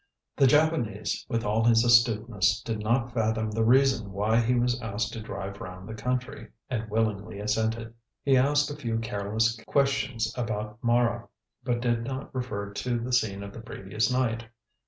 The Japanese, with all his astuteness, did not fathom the reason why he was asked to drive round the country, and willingly assented. He asked a few careless questions about Mara, but did not refer to the scene of the previous night.